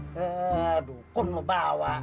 heeh dukun mau bawa